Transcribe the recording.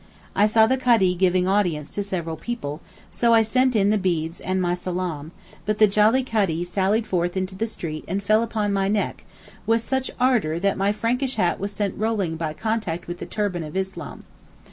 I saw the Kadee giving audience to several people, so I sent in the beads and my salaam; but the jolly Kadee sallied forth into the street and 'fell upon my neck' with such ardour that my Frankish hat was sent rolling by contact with the turban of Islam.